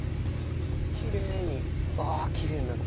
きれいにあっきれいになった。